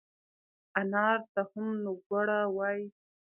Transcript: انار ته هم نووګوړه وای